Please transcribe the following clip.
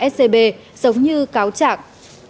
scb giống như cáo trạng